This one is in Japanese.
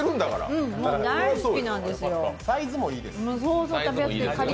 サイズもいいですよね。